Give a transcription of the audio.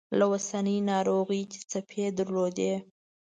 لکه اوسنۍ ناروغي چې څپې درلودې.